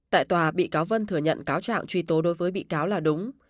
tại tòa bị cáo vân thừa nhận cáo trạng truy tố đối với bị cáo là đúng